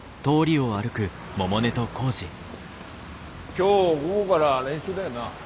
今日午後から練習だよな？